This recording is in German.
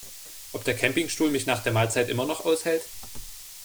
Ob der Campingstuhl mich nach der Mahlzeit immer noch aushält?